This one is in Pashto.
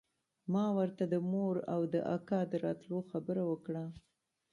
ما ورته د مور او د اکا د راتلو خبره وکړه.